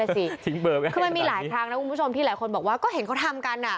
คือมันมีหลายครั้งนะคุณผู้ชมที่หลายคนบอกว่าก็เห็นเขาทำกันอ่ะ